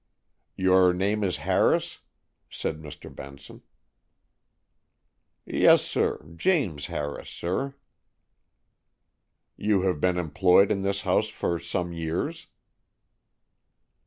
"Your name is Harris?" said Mr. Benson. "Yes, sir; James Harris, sir." "You have been employed in this house for some years?"